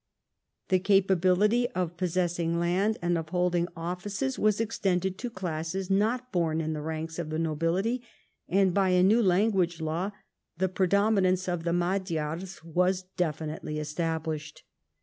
The capability of possess ing land and of holding offices was extended to classes not born in the ranks of the nobility, and by a new language law the predominance of the Magyars was definitely established.